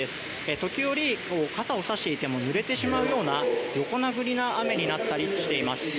時折、傘をさしていてもぬれてしまうような横殴りの雨になったりしています。